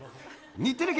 日テレ系！！